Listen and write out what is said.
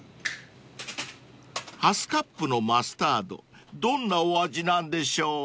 ［ハスカップのマスタードどんなお味なんでしょう？］